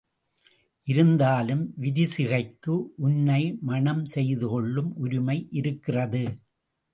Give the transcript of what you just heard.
இருந்தாலும் விரிசிகைக்கு உன்னை மணம் செய்துகொள்ளும் உரிமை இருக்கிறது.